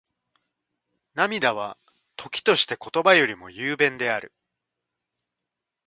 涙は、時として言葉よりも雄弁である。